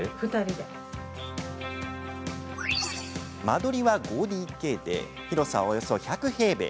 間取りは５ＤＫで広さは、およそ１００平米。